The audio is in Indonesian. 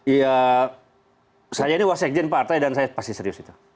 ya saya ini was ekjen pak artai dan saya pasti serius itu